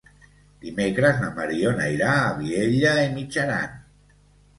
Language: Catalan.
Dimecres na Mariona irà a Vielha e Mijaran.